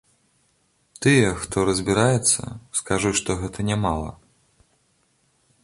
Тыя, хто разбіраецца, скажуць, што гэта нямала.